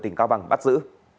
tình cao bằng bắt giữ